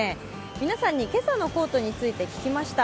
皆さんに今朝のコートについて聞きました。